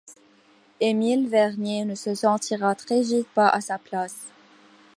Émile Vernier ne se sentira très vite pas à sa place.